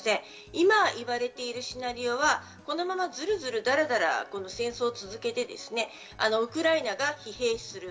今、言われているシナリオはこのままズルズルだらだら戦争を続けて、ウクライナが疲弊する。